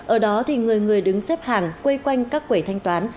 ở đó thì người người đứng xếp hàng quây quanh các quẩy thanh toán